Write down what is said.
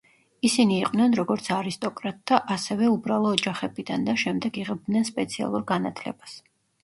ისინი იყვნენ, როგორც არისტოკრატთა, ასევე უბრალო ოჯახებიდან და შემდეგ იღებდნენ სპეციალურ განათლებას.